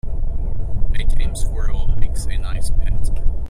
A tame squirrel makes a nice pet.